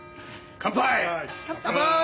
乾杯！